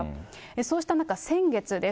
そうした中、先月です。